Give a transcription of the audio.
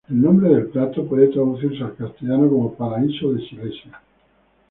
El nombre del plato puede traducirse al castellano como "Paraíso de Silesia".